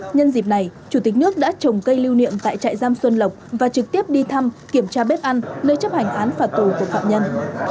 nhân dịp này chủ tịch nước đã trồng cây lưu niệm tại trại giam xuân lộc và trực tiếp đi thăm kiểm tra bếp ăn nơi chấp hành án phạt tù của phạm nhân